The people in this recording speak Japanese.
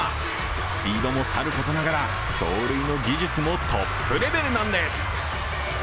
スピードもさることながら、走塁の技術もトップレベルなんです。